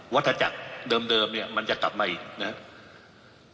วัฒนศักดิ์เดิมมันจะกลับมาอีกนะครับ